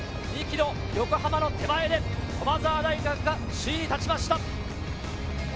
横浜の手前で駒澤大学が首位に立ちました。